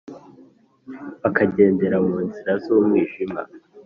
bakagendera mu nzira z’umwijima